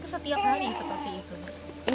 itu setiap kali seperti itu